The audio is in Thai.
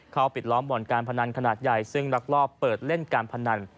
ปิดล้อมบ่อนการพนันขนาดใหญ่ซึ่งรักรอบเปิดเล่นการพนัน